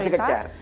ini harus dikejar